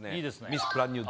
「ミス・ブランニュー・